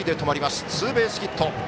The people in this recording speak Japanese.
ツーベースヒット。